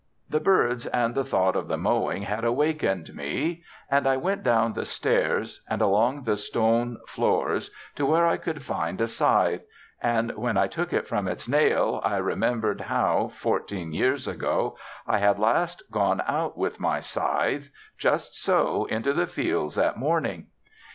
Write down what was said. The birds and the thought of the mowing had awakened me, and I went down the stairs and along the stone floors to where I could find a scythe; and when I took it from its nail, I remembered how, fourteen years ago, I had last gone out with my scythe, just so, into the fields at morning.